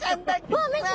うわっ見て！